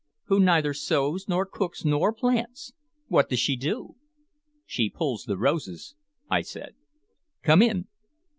"Who neither sews, nor cooks, nor plants! What does she do?" "She pulls the roses," I said. "Come in."